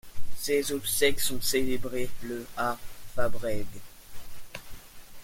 Ses obsèques sont célébrées le à Fabrègues.